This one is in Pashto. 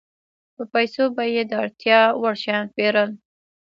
په پیسو به یې د اړتیا وړ شیان پېرل